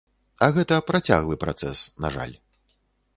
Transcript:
А гэта працяглы працэс, на жаль.